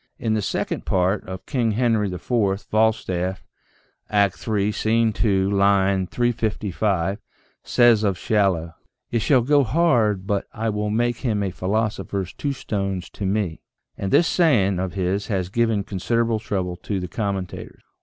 In the second part of "King Henry IV," Falstaff (Act III, Scene 2, line 355), says of Shallow: " it shall go hard but I will make him a philosopher's two stones to me," and this saying of his has given considerable trouble to the commentators.